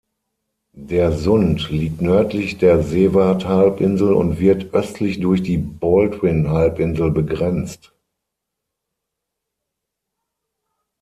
Der Sund liegt nördlich der Seward-Halbinsel und wird östlich durch die Baldwin-Halbinsel begrenzt.